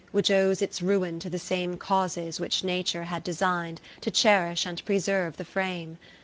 Which owes its ruin to the same Causes which Nature had design'd To cherish and preserve the frame